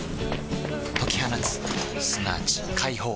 解き放つすなわち解放